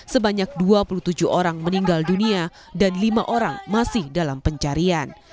sebanyak dua puluh tujuh orang meninggal dunia dan lima orang masih dalam pencarian